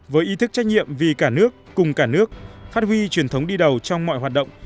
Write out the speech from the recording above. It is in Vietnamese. với ý thức trách nhiệm vì cả nước cùng cả nước phát huy truyền thống đi đầu trong mọi hoạt động